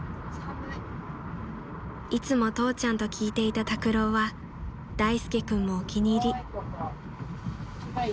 ［いつも父ちゃんと聴いていた拓郎は大介君もお気に入り］